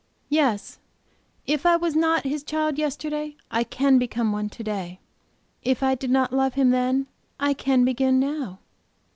Yes, if I was not His child yesterday, I can become one to day; if I did not love Him then, I can begin now."